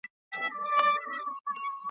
هغوی چي وران کړل کلي ښارونه .